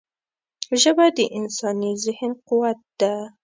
ژبه د انساني ذهن قوت ده